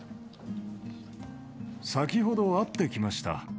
先ほど、会ってきました。